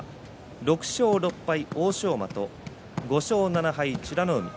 ６勝６敗の欧勝馬５勝７敗、美ノ